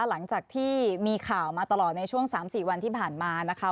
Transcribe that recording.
หลังจากที่มีข่าวมาตลอดในช่วง๓๔วันที่ผ่านมานะคะ